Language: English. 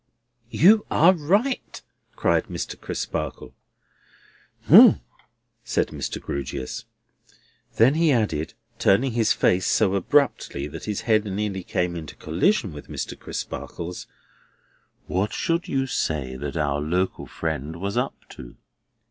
"You are right!" cried Mr. Crisparkle. "Umps!" said Mr. Grewgious. Then he added, turning his face so abruptly that his head nearly came into collision with Mr. Crisparkle's: "what should you say that our local friend was up to?"